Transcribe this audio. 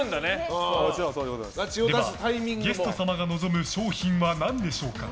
では、ゲスト様が望む商品は何でしょうか。